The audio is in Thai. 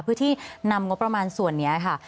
เพื่อที่นำงบประมาณส่วนนี้ค่ะ